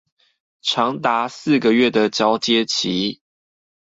長達四個月的交接期